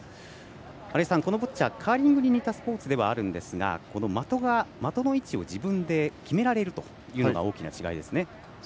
新井さん、このボッチャカーリングに似たスポーツではあるんですが的の位置を自分で決められるというのが大きな違いですね。